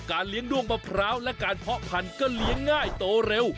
เลี้ยงด้วงมะพร้าวและการเพาะพันธุ์ก็เลี้ยงง่ายโตเร็ว